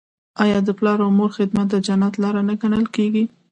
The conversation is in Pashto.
آیا د پلار او مور خدمت د جنت لاره نه ګڼل کیږي؟